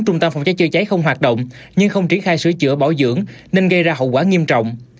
trung tâm phòng cháy chữa cháy không hoạt động nhưng không triển khai sửa chữa bảo dưỡng nên gây ra hậu quả nghiêm trọng